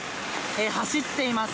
走っています。